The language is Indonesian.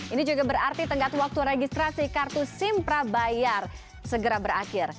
ini juga berarti tenggat waktu registrasi kartu simpra bayar segera berakhir